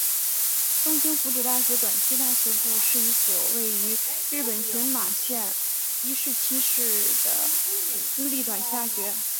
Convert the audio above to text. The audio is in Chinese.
东京福祉大学短期大学部是一所位于日本群马县伊势崎市的私立短期大学。